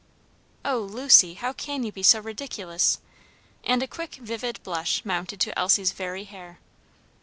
"Oh, Lucy, how can you be so ridiculous?" and a quick, vivid blush mounted to Elsie's very hair.